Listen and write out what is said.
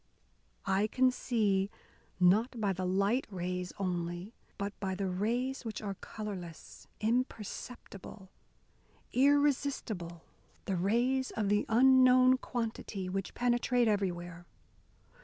I can see, not by the light rays only, but by the rays which are colourless, imperceptible, irresistible the rays of the unknown quantity, which penetrate everywhere.